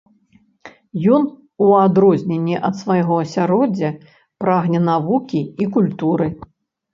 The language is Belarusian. Ён, у адрозненне ад свайго асяроддзя, прагне навукі і культуры.